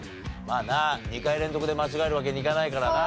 まあな２回連続で間違えるわけにいかないからな。